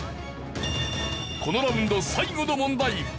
このラウンド最後の問題。